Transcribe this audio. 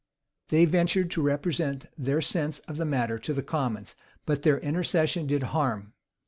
They ventured to represent their sense of the matter to the commons; but their intercession did harm.